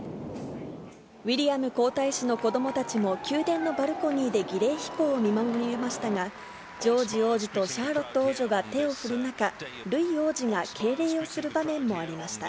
ウィリアム皇太子の子どもたちも宮殿のバルコニーで儀礼飛行を見守りましたが、ジョージ王子とシャーロット王女が手を振る中、ルイ王子が敬礼をする場面もありました。